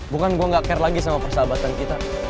bukan gue gak care lagi sama persahabatan kita